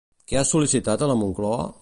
Què ha sol·licitat a la Moncloa?